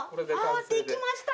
できました。